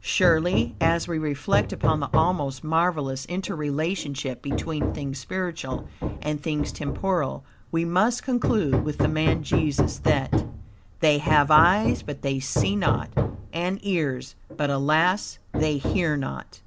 Surely, as we reflect upon the almost marvelous inter relationship between things spiritual and things temporal, we must conclude, with the man Jesus, that "They have eyes but they see not, and ears, but alas they hear not."